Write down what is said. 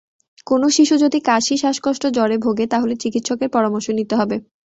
কোনো শিশু যদি কাশি, শ্বাসকষ্ট, জ্বরে ভোগে, তাহলে চিকিত্সকের পরামর্শ নিতে হবে।